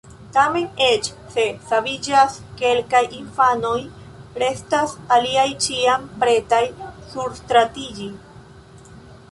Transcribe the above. Tamen eĉ se “saviĝas kelkaj infanoj, restas aliaj ĉiam pretaj surstratiĝi.